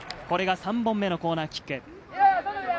これが３本目のコーナーキック。